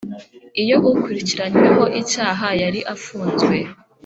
Iyo ukurikiranyweho icyaha yari afunzwe